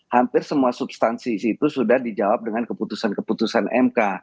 hampir semua substansi itu sudah dijawab dengan keputusan keputusan mk